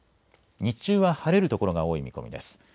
日中は晴れる所が多い見込みです。